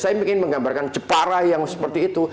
saya ingin menggambarkan jepara yang seperti itu